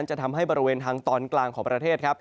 จะทำให้บริเวณทางตอนกลางของประเทศครับ